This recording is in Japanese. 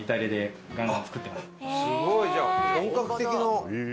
すごい！じゃあ本格的な。